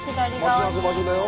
待ち合わせ場所だよ。